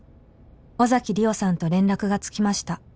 「尾崎莉桜さんと連絡がつきました」